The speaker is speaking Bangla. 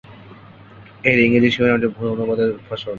এর ইংরেজি শিরোনামটি ভুল অনুবাদের ফসল।